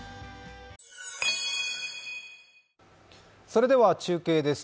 それでは中継です。